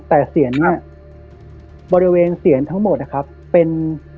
แต่เสียงเนี่ยบริเวณเสียงทั้งหมดนะครับเป็น